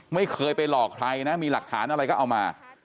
ไม่เคยไปหลอกใครนะมีหลักฐานอะไรก็เอามา